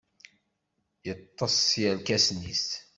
Yeṭṭes s yirkasen-is.